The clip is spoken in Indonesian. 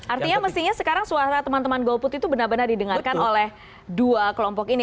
artinya mestinya sekarang suara teman teman golput itu benar benar didengarkan oleh dua kelompok ini